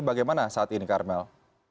bagaimana saat ini karmel